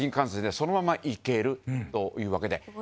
そのまま行けるというわけで。